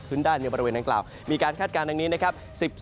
ได้ในบริเวณดังกล่าวมีการคาดการณ์ดังนี้นะครับ